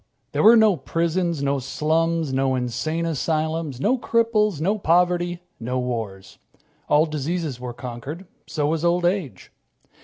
There were no prisons, no slums, no insane asylums, no cripples, no poverty, no wars. All diseases were conquered. So was old age.